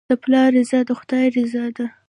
د پلار رضا د خدای رضا ده.